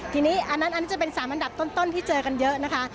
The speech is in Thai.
ทีนี้อันนั้นจะเป็น๓อันดับต้นที่เจอกันเยอะ